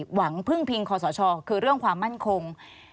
หวังพึ่งพิงคอสชคือเรื่องความมั่นคง